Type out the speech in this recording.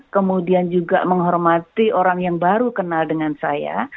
kemudian juga menghormati orang yang baru kenal dengan saya